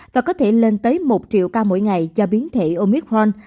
và có thể lên tới một triệu ca mỗi ngày do biến thể omicron